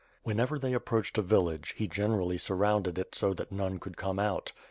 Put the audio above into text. Wherever they approached a vil lage, he generally surrounded it so that none could come out.